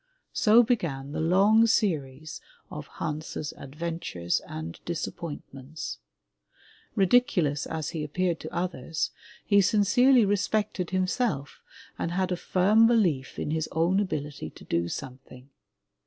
So began the long series of Hans's adventures and disappointments. Ridiculous as he ap peared to others, he sincerely respected himself and had a firm belief in his own ability to do something.